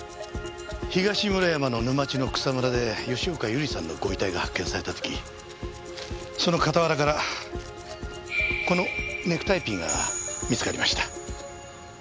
東村山の沼地の草むらで吉岡百合さんのご遺体が発見された時その傍らからこのネクタイピンが見つかりました。